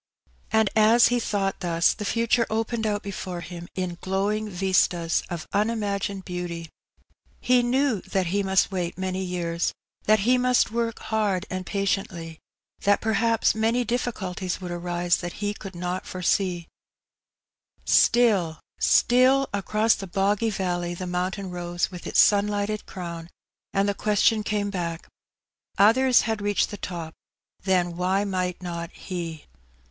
And as he thought thus, the future opened out before him in glowing vistas of unimagined beauty. He knew that he must wait many years ; that he must work hard and patiently; that perhaps many difficulties would arise that he could not foresee; still, still, across the boggy valley the mountain rose with its sunlighted crown, and the question came back — Others had reached the top, then why might not he?